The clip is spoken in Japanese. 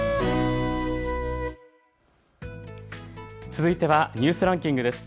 続いてはニュースランキングです。